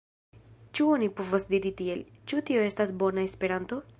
Ĉu oni povas diri tiel, ĉu tio estas bona Esperanto?